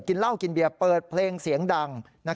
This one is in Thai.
กินเหล้ากินเบียร์เปิดเพลงเสียงดัง